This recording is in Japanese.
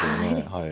はい。